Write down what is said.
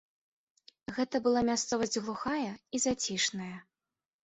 Гэта была мясцовасць глухая і зацішная.